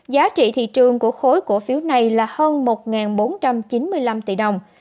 giá trị thị trường của khối cổ phiếu này là hơn một bốn trăm chín mươi năm tỷ đồng